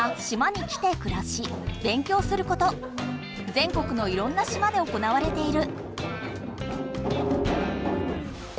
ぜん国のいろんな島で行われている。